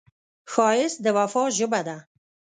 ښایست د وفا ژبه ده